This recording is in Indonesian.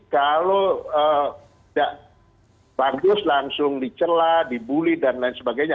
kalau nggak bagus langsung dicela dibully dan lain sebagainya